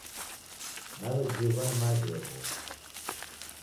Nawejighwa ni maghegho